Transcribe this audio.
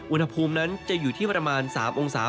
อุณหภูมินั้นจะอยู่ที่ประมาณ๓องศา